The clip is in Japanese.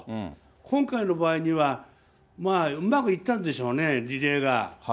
今回の場合には、うまくいったんでしょうね、リレーが。